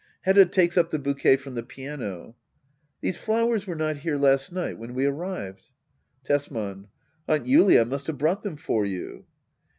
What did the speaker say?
Hedda. [Takes up the bouquet from the piano,] These flowers were not here last night when we arrived. Tesman. Aunt Julia must have brought them for you.